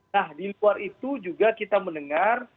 nah di luar itu juga kita mendengar